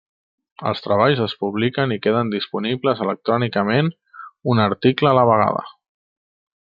Els treballs es publiquen i queden disponibles electrònicament un article a la vegada.